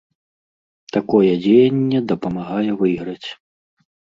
Такое дзеянне дапамагае выйграць.